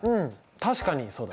確かにそうだね。